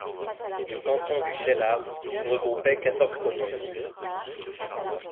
Le canton du Cheylard regroupait quatorze communes.